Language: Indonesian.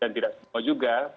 dan tidak semua juga